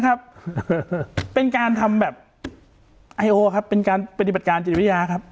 ครับเป็นการทำแบบไอโอครับเป็นการปฏิบัติการจิตวิทยาครับ